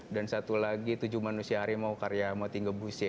dan satu lagi tujuh manusia harimau karya moti ngebuse